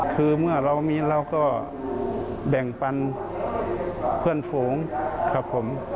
คือเมื่อเรามีเราก็แบ่งปันเพื่อนฝูงครับผม